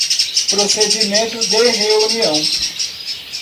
Procedimento de reunião